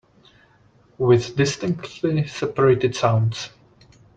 With distinctly separated sounds